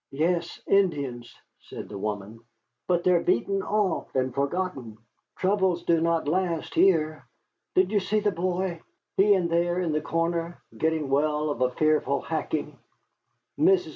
"Yes, Indians," said the woman; "but they are beaten off and forgotten. Troubles do not last here. Did you see the boy? He's in there, in the corner, getting well of a fearful hacking. Mrs.